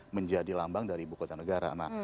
menjadi lambang dari buku kota negara